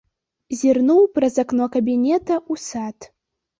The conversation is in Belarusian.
Зірнуў праз акно кабінета ў сад.